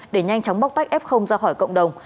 để nhanh chóng bóc tách f ra khỏi cộng đồng